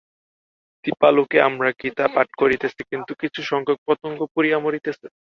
দীপালোকে আমরা গীতা পাঠ করিতেছি, কিন্তু কিছুসংখ্যক পতঙ্গ পুড়িয়া মরিতেছে।